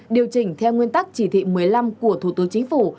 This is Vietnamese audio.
điều chỉnh theo nguyên tắc chỉ thị một mươi năm của thủ tướng chính phủ